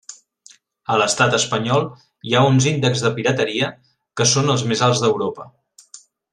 A l'estat espanyol hi ha uns índexs de pirateria que són els més alts d'Europa.